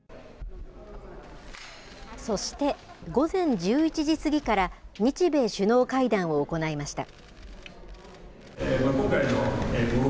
そして、午前１１時過ぎから日米首脳会談を行いました。